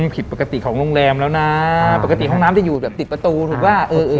ผิดปกติของโรงแรมแล้วนะปกติห้องน้ำจะอยู่แบบติดประตูถูกป่ะเออ